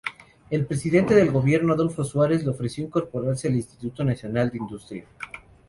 El presidente del gobierno, Adolfo Suárez, le ofreció incorporarse al Instituto Nacional de Industria.